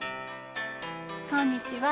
こんにちは。